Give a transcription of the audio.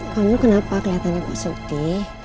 kamu kenapa keliatannya kok suti